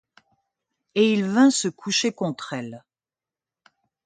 Et il vint se coucher contre elle.